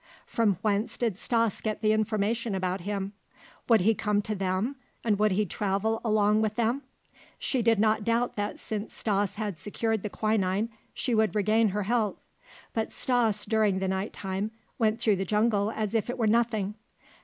From whence did Stas get the information about him? Would he come to them, and would he travel along with them? She did not doubt that since Stas had secured the quinine she would regain her health. But Stas during the night time went through the jungle as if it were nothing.